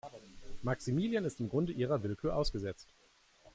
Maximilian ist im Grunde ihrer Willkür ausgesetzt.